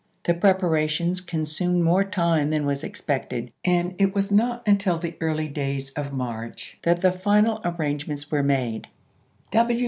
The preparations consumed more time than was expected, and it was not until the early days of March that the final arrangements were made.